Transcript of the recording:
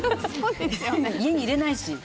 家に入れないし。